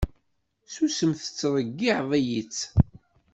Susem tettreyyiεeḍ-iyi-tt!